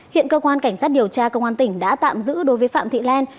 hiện cơ quan cảnh sát điều tra công an tỉnh đã tạm giữ đối với phạm thị len